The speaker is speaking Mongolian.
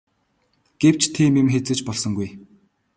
Гэвч тийм юм хэзээ ч болсонгүй.